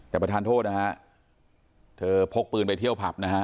แต่ประธานโทษนะฮะเธอพกปืนไปเที่ยวผับนะฮะ